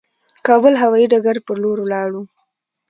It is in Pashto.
کابل هوايي ډګر پر لور ولاړو.